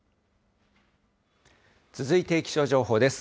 続いて気象情報です。